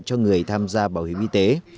cho người tham gia bảo hiểm y tế